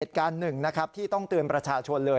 เหตุการณ์หนึ่งนะครับที่ต้องเตือนประชาชนเลย